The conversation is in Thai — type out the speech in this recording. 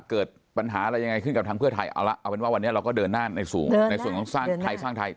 เกิดปัญหาอะไรยังไงขึ้นกับทางเพื่อไทยเอาละเอาเป็นว่าวันนี้เราก็เดินหน้าในส่วนของสร้างไทยสร้างไทย